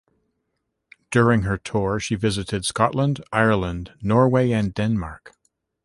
During her tour, she visited Scotland, Ireland, Norway, and Denmark.